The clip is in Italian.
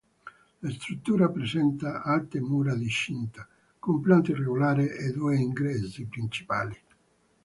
La struttura presenta alte mura di cinta, con pianta irregolare, e due ingressi principali.